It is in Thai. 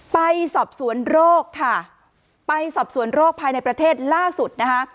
ไปสอบสวนโรคค่ะไปสอบสวนโรคภายในประเทศล่าสุดนะคะ